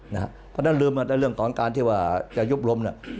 เพราะฉะนั้นลืมในเรื่องของการที่ว่าจะยุบลม